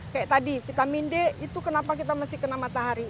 kayak tadi vitamin d itu kenapa kita mesti kena matahari